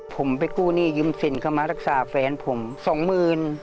ผมไปกู้หนี้ยืมสินเข้ามารักษาแฟนผมสองหมื่น